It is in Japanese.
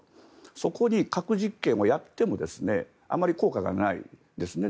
そこに核実験をやってもあまり効果がないですね。